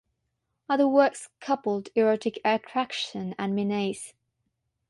Other works coupled erotic attraction and menace.